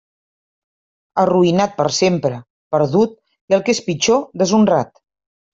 Arruïnat per sempre, perdut, i el que és pitjor, deshonrat.